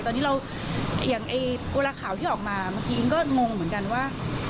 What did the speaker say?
ตอนนี้เวลาข่าวที่ออกมาอิ๊กก็งงเหมือนกันว่า